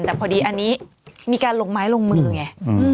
แต่พอดีอันนี้มีการลงไม้ลงมือไง